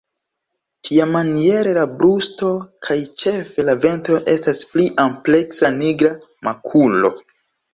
Tiamaniere la brusto kaj ĉefe la ventro estas pli ampleksa nigra makulo.